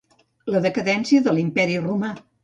La decadència de l'imperi Romà.